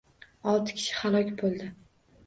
Olti kishi halok bo‘ldi